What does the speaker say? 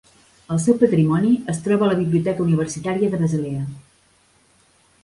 El seu patrimoni es troba a la Biblioteca Universitària de Basilea.